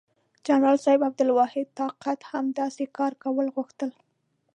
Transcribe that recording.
جنرال صاحب عبدالواحد طاقت هم داسې کار کول غوښتل.